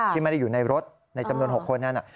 ที่ไม่ได้อยู่ในรถในจำนวน๖คนนั้น